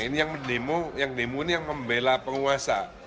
ini yang mendemo yang demo ini yang membela penguasa